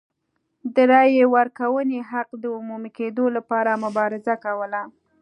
د رایې ورکونې حق د عمومي کېدو لپاره مبارزه کوله.